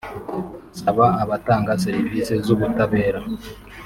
Asaba abatanga serivisi z’ubutabera